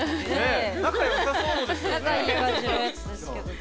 仲良さそうですよね。